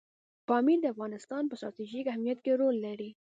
پامیر د افغانستان په ستراتیژیک اهمیت کې رول لري.